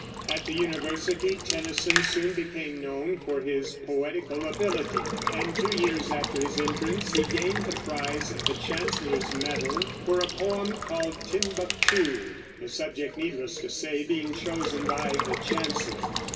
At the university Tennyson soon became known for his poetical ability, and two years after his entrance he gained the prize of the Chancellor's Medal for a poem called "Timbuctoo," the subject, needless to say, being chosen by the chancellor.